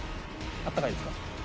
あったかいです。